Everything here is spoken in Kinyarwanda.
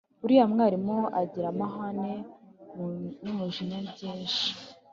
Uriya mwarimu agira amahane numujinya byinshi